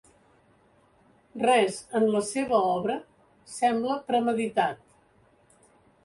Res en la seva obra sembla premeditat.